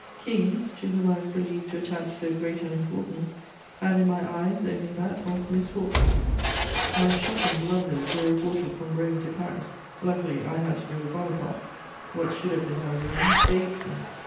Kings, to whom I was believed to attach so great an importance, had in my eyes only that of misfortune. My shocking blunders were reported from Rome to Paris: luckily I had to do with Bonaparte; what should have been my ruin saved me.